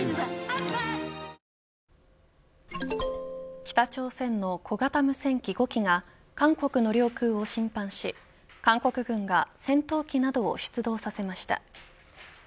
北朝鮮の小型無線機５機が韓国の領空を侵犯し韓国軍が戦闘機などを出動させました。